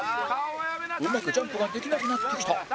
うまくジャンプができなくなってきた